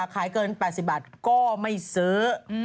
ขายเกิน๘๐บาทก็ไม่ซื้อ